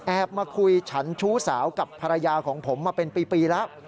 มาคุยฉันชู้สาวกับภรรยาของผมมาเป็นปีแล้ว